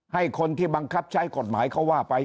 ให้คนที่บังคับใช้กฎหมายเขาว่าไป